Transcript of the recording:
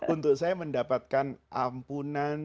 untuk saya mendapatkan ampunan